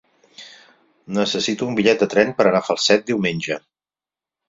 Necessito un bitllet de tren per anar a Falset diumenge.